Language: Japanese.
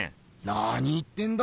なに言ってんだ？